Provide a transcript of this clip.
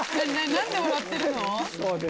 何で笑ってるの？